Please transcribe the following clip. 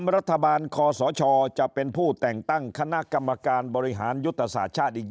รัฐบาลคอสชจะเป็นผู้แต่งตั้งคณะกรรมการบริหารยุทธศาสตร์ชาติอีก